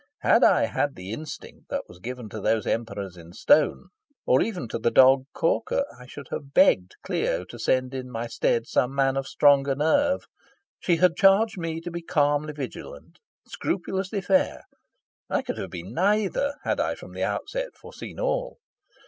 Had I had the instinct that was given to those Emperors in stone, and even to the dog Corker, I should have begged Clio to send in my stead some man of stronger nerve. She had charged me to be calmly vigilant, scrupulously fair. I could have been neither, had I from the outset foreseen all.